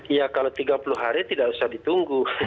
iya kalau tiga puluh hari tidak usah ditunggu